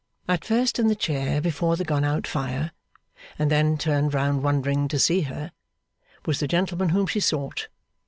At first in the chair before the gone out fire, and then turned round wondering to see her, was the gentleman whom she sought.